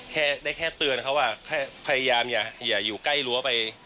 แค่ได้แค่เตือนเขาว่าพยายามอย่าอยู่ใกล้รั้วไป